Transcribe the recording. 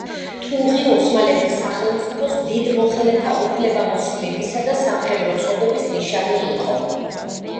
თუღი ოსმალეთის სახელმწიფოს დიდ მოხელეთა უფლებამოსილებისა და სამხედრო წოდების ნიშანი იყო.